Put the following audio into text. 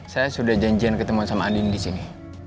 saya sudah janjian ketemu sama andin di sini